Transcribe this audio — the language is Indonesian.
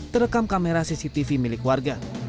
terekam kamera cctv milik warga